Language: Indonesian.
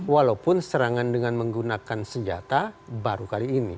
walaupun serangan dengan menggunakan senjata baru kali ini